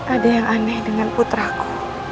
ada yang aneh dengan putraku